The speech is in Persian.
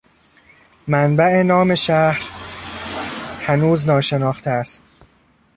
منبع نام شهر هنوز ناشناخته است